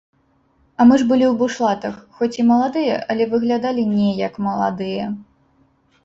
А мы ж былі ў бушлатах, хоць і маладыя, але выглядалі не як маладыя.